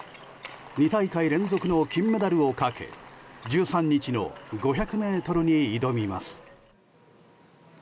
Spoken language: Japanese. ２大会連続の金メダルをかけ１３日の５００ｍに挑みます。